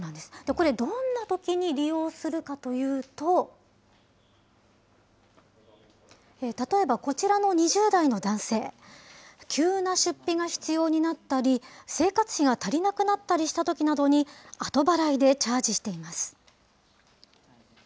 これ、どんなときに利用するかというと、例えばこちらの２０代の男性、急な出費が必要になったり、生活費が足りなくなったりしたときなどに後払いでチャージしています。